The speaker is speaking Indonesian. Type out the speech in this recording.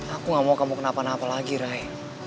aku gak mau kamu kena apa apa lagi rai